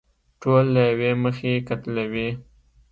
ټول له يوې مخې قتلوي.